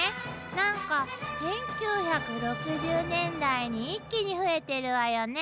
なんか１９６０年代に一気に増えてるわよね。